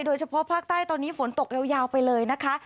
โดยเฉพาะภาคใต้ตอนนี้ฝนตกยาวไปเลยนะคะ